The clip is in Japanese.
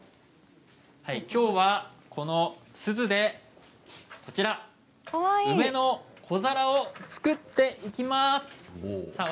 きょうはこの、すずで梅の小皿を作っていきます。